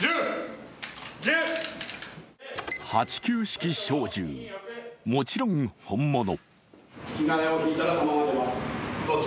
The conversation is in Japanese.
８９式小銃、もちろん本物。